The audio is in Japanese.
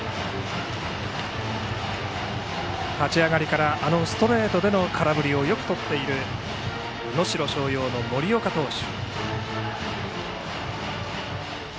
立ち上がりからストレートでの空振りをよくとっている能代松陽の森岡投手。